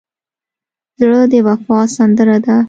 زړه د وفا سندره ده.